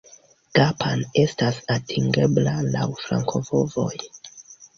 Gapan estas atingebla laŭ flankovojoj.